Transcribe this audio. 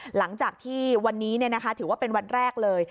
หลังจากที่วันนี้ถือว่าเป็นวันแรกเลย